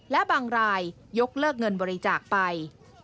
และบางรายยกเลิกเงินบริจาคไป